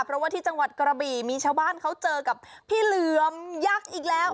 เพราะว่าที่จังหวัดกระบี่มีชาวบ้านเขาเจอกับพี่เหลือมยักษ์อีกแล้ว